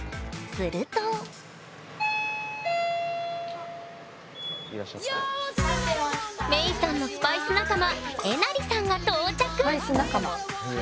するとメイさんのスパイス仲間えなりさんが到着スパイス仲間。